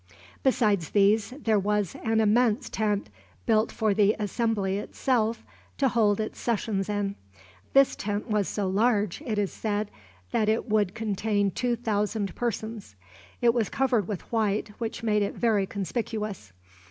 Besides these there was an immense tent, built for the assembly itself to hold its sessions in. This tent was so large, it is said, that it would contain two thousand persons. It was covered with white, which made it very conspicuous.